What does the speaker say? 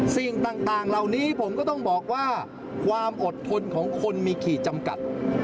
สิ่งต่างเหล่านี้ผมก็ต้องบอกว่าความอดทนของคนมีขี่จำกัด